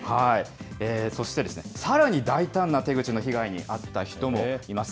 そして、さらに大胆な手口の被害に遭った人もいます。